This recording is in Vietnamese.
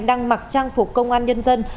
đang mặc trang phục công an nhân dân